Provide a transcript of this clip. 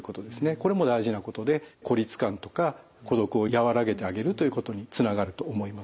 これも大事なことで孤立感とか孤独を和らげてあげるということにつながると思います。